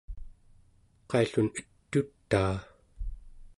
qaillun et'utaa?